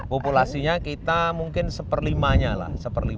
populasinya kita mungkin satu per lima nya lah